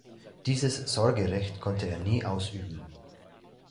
Dieses Sorgerecht konnte er nie ausüben.